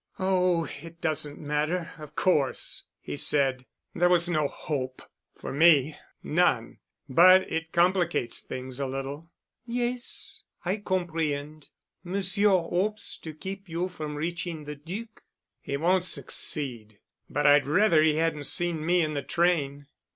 "Oh, it doesn't matter, of course," he said. "There was no hope—for me—none. But it complicates things a little." "Yes, I comprehend. Monsieur hopes to keep you from reaching the Duc." "He won't succeed—but I'd rather he hadn't seen me in the train."